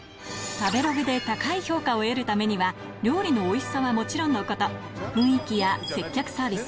食べログで高い評価を得るためには料理のおいしさはもちろんのこと雰囲気や接客サービス